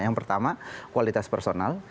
yang pertama kualitas personal